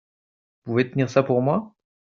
Vous pouvez tenir ça pour moi ?